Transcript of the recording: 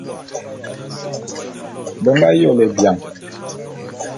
Be nga yôle bian.